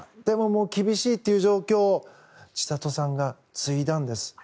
でも厳しいという状況千里さんが継いだんです。